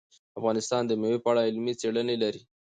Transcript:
افغانستان د مېوې په اړه علمي څېړنې لري.